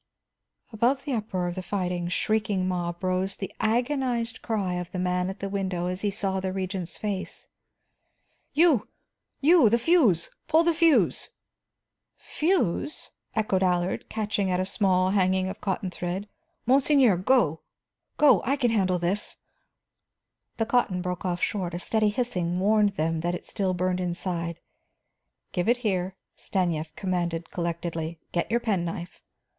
Above the uproar of the fighting, shrieking mob rose the agonized cry of the man at the window as he saw the Regent's face: "You! You! The fuse, pull the fuse!" "Fuse?" echoed Allard, catching at a small hanging thread of cotton. "Monseigneur, go, go! I can handle this " The cotton broke off short; a steady hissing warned them that it still burned inside. "Give it here," Stanief commanded collectedly. "Get your penknife."